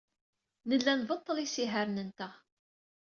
Nella nbeṭṭel isihaṛen-nteɣ.